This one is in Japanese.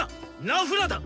ナフラだ！